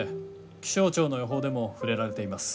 気象庁の予報でも触れられています。